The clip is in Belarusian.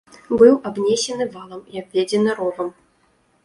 Быў абнесены валам і абведзены ровам.